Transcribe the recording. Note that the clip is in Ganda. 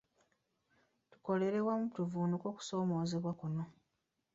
Tukolere wamu tuvvuunuke okusoomoozebwa kuno.